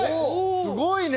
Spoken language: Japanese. すごいね！